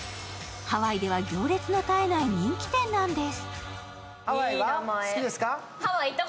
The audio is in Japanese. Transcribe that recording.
ハワイでは行列の絶えない人気店なんです。